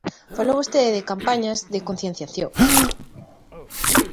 Falou vostede de campañas de concienciación.